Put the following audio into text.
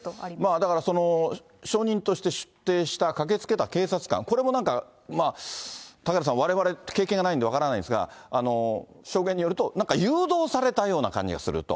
だから証人として出廷した、駆けつけた警察官、これもなんか、嵩原さん、われわれ経験がないんで分からないんですが、証言によると、なんか誘導されたような感じがすると。